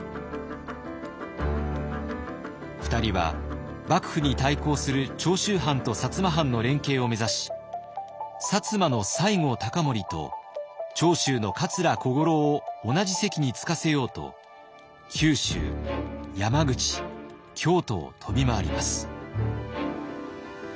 ２人は幕府に対抗する長州藩と摩藩の連携を目指し摩の西郷隆盛と長州の桂小五郎を同じ席につかせようと九州山口京都を飛び回ります。